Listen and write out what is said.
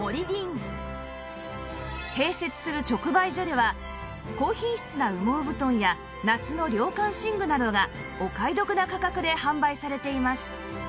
併設する直売所では高品質な羽毛布団や夏の涼感寝具などがお買い得な価格で販売されています